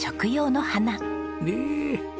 ねえ！